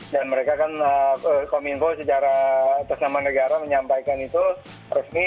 dan mereka kan kominfo secara persamaan negara menyampaikan itu resmi